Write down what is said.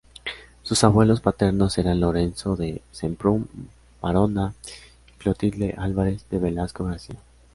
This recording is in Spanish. Sus abuelos paternos eran Lorenzo de Semprún Barona y Clotilde Álvarez de Velasco García.